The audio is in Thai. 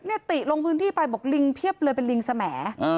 ติลงพื้นที่ไปบอกลิงเพียบเลยเป็นลิงสม